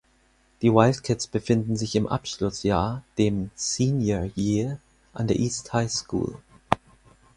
Die Wildcats befinden sich im Abschlussjahr, dem "Senior Year", an der East High School.